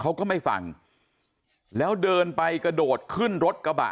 เขาก็ไม่ฟังแล้วเดินไปกระโดดขึ้นรถกระบะ